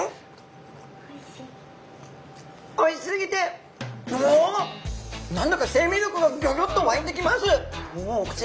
おいしすぎてもう何だか生命力がギョギョっと湧いてきます！